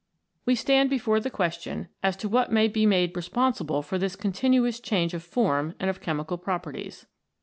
We stand before the question as to what may be made responsible for this continuous change of form and of chemical properties.